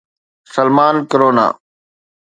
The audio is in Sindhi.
سلمان ڪرونا